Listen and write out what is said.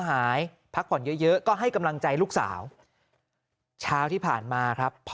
หายพักผ่อนเยอะเยอะก็ให้กำลังใจลูกสาวเช้าที่ผ่านมาครับพ่อ